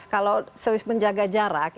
kalau seharusnya menjaga jarak